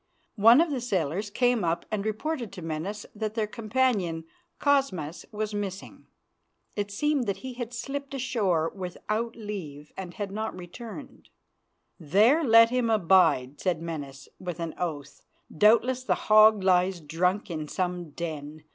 One of the sailors came up and reported to Menas that their companion, Cosmas, was missing. It seemed that he had slipped ashore without leave and had not returned. "There let him bide," said Menas, with an oath. "Doubtless the hog lies drunk in some den.